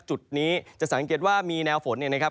จุดนี้จะสังเกตว่ามีแนวฝนเนี่ยนะครับ